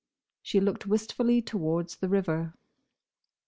She looked wistfully towards the river.